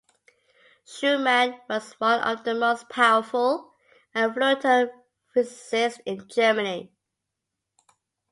Schumann was one of the most powerful and influential physicists in Germany.